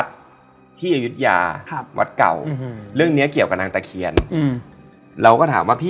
ด่าออกเสียงเลยอะ